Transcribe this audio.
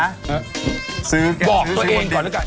บอกตัวเองก่อนแล้วกัน